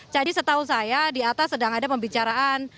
setahu saya di atas sedang ada pembicaraan